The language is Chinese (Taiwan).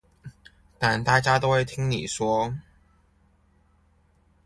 但大家都會聽你說